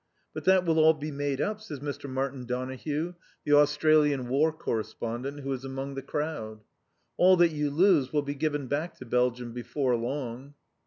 "But that will all be made up," says Mr. Martin Donohue, the Australian War Correspondent, who is among the crowd. "All that you lose will be given back to Belgium before long."